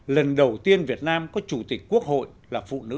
lần đầu tiên việt nam có chủ tịch quốc hội là phụ nữ v v